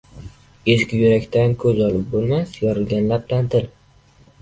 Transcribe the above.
• Ezgu yurakdan ko‘z olib bo‘lmas, yorilgan labdan ― til.